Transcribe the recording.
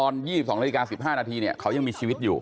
๒๒นาที๑๕นาทีเขายังมีชีวิตอยู่